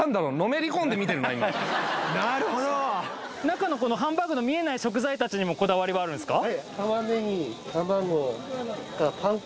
中のこのハンバーグの見えない食材たちにもこだわりはあるんすか？